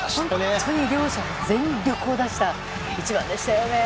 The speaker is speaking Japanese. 本当に両者全力を出した一番でしたよね。